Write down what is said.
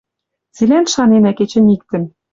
Цилӓн шаненӓ кечӹнь иктӹм.